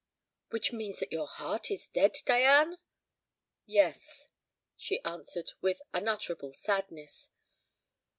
"Which means that your heart is dead, Diane?" "Yes," she answered, with unutterable sadness.